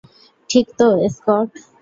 ঠিক তো, স্কট?